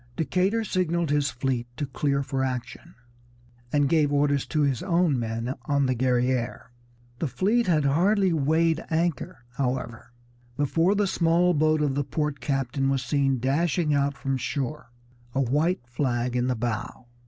Decatur signaled his fleet to clear for action, and gave orders to his own men on the Guerrière. The fleet had hardly weighed anchor, however, before the small boat of the port captain was seen dashing out from shore, a white flag in the bow.